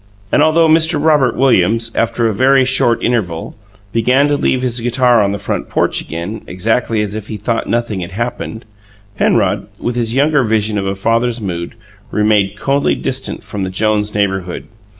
And although Mr. Robert Williams, after a very short interval, began to leave his guitar on the front porch again, exactly as if he thought nothing had happened, Penrod, with his younger vision of a father's mood, remained coldly distant from the Jones neighbourhood.